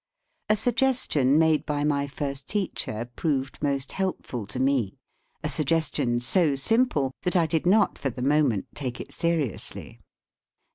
A suggestion made by my first teacher proved most helpful to me, a suggestion so simple that I did not for the moment take it seri ously.